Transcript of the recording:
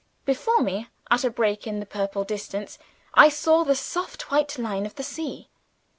Before me, at a break in the purple distance, I saw the soft white line of the sea.